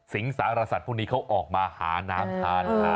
สารสัตว์พวกนี้เขาออกมาหาน้ำทาน